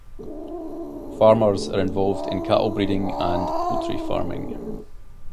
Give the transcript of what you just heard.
Farmers are involved in cattle breeding and poultry farming.